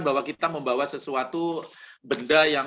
bahwa kita membawa sesuatu benda yang